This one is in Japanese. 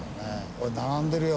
並んでるよ。